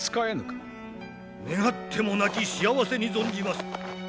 願ってもなき幸せに存じます。